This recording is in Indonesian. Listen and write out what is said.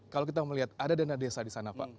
kalau kita melihat ada dana desa di sana pak